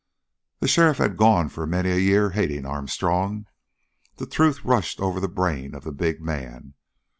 The sheriff had gone for many a year hating Armstrong. The truth rushed over the brain of the big man.